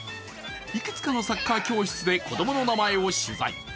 いくつかのサッカー教室で子供の名前を取材。